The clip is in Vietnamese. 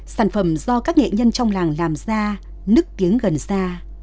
sản phẩm do các nghệ nhân trong làng làm ra nức tiếng gần xa